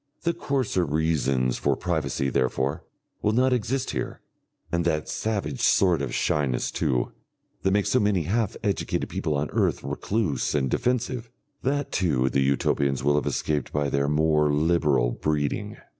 The coarser reasons for privacy, therefore, will not exist here. And that savage sort of shyness, too, that makes so many half educated people on earth recluse and defensive, that too the Utopians will have escaped by their more liberal breeding.